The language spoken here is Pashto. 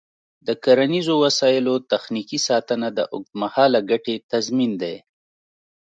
د کرنیزو وسایلو تخنیکي ساتنه د اوږدمهاله ګټې تضمین دی.